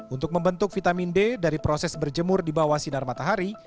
untuk membentuk vitamin d dari proses berjemur di bawah sinar matahari